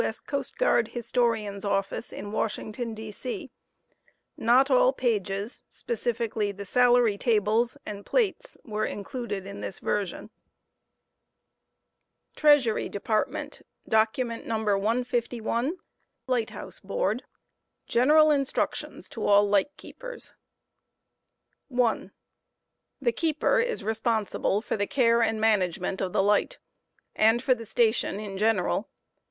S. Coast Guard Historian's Office in Washington, D.C Not all pages (specifically the salary tables) and plates were included in this version. Document Nu, 151. LiffhtrHouse Board. ' GENERAL INSTRUCTIONS TO ALL LIGHT KEEPERS. 1, The keeper is responsible for the care ami management of the light, and for B ^fXfV e " the station in general.